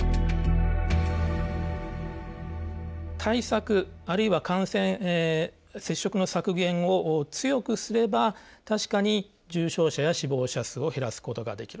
対策あるいは感染接触の削減を強くすれば確かに重症者や死亡者数を減らすことができる。